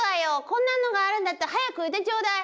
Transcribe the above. こんなのがあるんだったら早く言ってちょうだい！